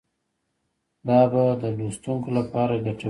دا به د لوستونکو لپاره ګټور وي.